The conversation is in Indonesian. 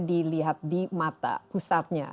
dilihat di mata pusatnya